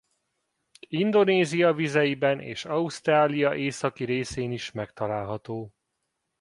Indonézia vizeiben és Ausztrália északi részén is megtalálható.